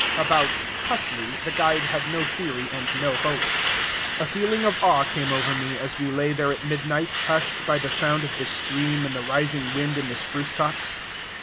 About "pusley" the guide had no theory and no hope. A feeling of awe came over me, as we lay there at midnight, hushed by the sound of the stream and the rising wind in the spruce tops.